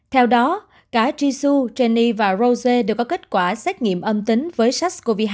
theo đó cả jisoo jennie và rose đều có kết quả xét nghiệm âm tính với sars cov hai